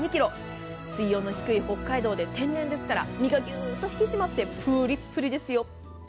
水温の低い北海道で天然ですから身がギュッと引き締まってプリプリですよ。